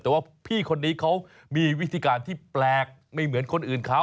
แต่ว่าพี่คนนี้เขามีวิธีการที่แปลกไม่เหมือนคนอื่นเขา